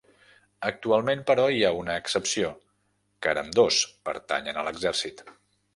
Actualment, però, hi ha una excepció, car ambdós pertanyen a l'Exèrcit.